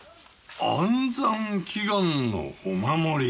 安産祈願のお守り。